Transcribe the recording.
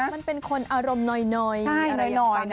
มันเป็นคนอารมณ์หน่อย